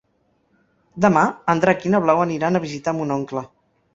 Demà en Drac i na Blau aniran a visitar mon oncle.